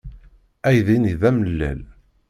Aydi-nni d amellal.